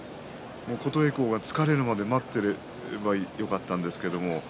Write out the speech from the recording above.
琴恵光が疲れるまで待っていればよかったんですけどね。